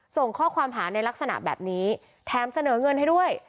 ส่งข้อความหาในลักษณะแบบนี้แถมเสนอเงินให้ด้วย